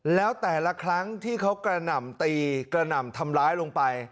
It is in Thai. แล้วแต่ละครั้งที่เขากระหน่ำตีกระหน่ำทำร้ายลงไป